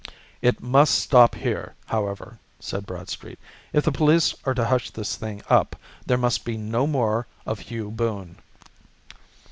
"It must stop here, however," said Bradstreet. "If the police are to hush this thing up, there must be no more of Hugh Boone."